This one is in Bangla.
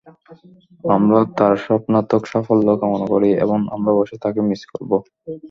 আমরা তাঁর সর্বাত্মক সাফল্য কামনা করি এবং আমরা অবশ্যই তাঁকে মিস করব।